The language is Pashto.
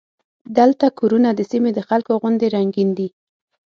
دلته کورونه د سیمې د خلکو غوندې رنګین دي.